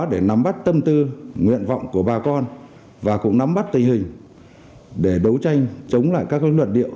để nắm bắt tâm tư nguyện vọng của bà con và cũng nắm bắt tình hình để đấu tranh chống lại các luận điệu